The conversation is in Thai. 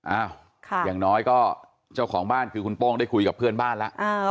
อย่างน้อยก็เจ้าของบ้านคือคุณโป้งได้คุยกับเพื่อนบ้านแล้ว